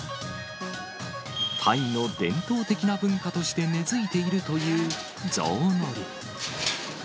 タイの伝統的な文化として根づいているというゾウ乗り。